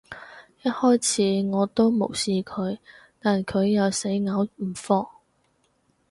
一開始，我都無視佢，但佢又死咬唔放